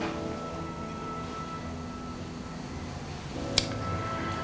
aku mau jalan